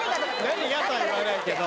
何がとは言わないけど。